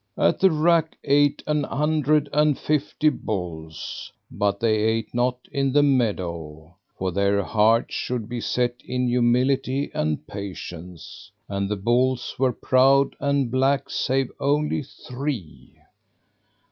At the rack ate an hundred and fifty bulls; but they ate not in the meadow, for their hearts should be set in humility and patience, and the bulls were proud and black save only three.